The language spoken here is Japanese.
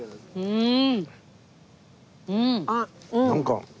うん。